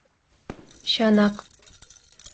— Чынак...